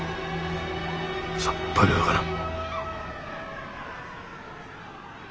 さっぱり分からん。